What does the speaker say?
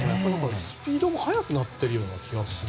スピードも速くなってるような気がする。